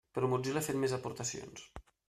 Però Mozilla ha fet més aportacions.